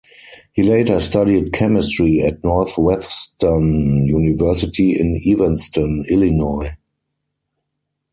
He later studied chemistry at Northwestern University in Evanston, Illinois.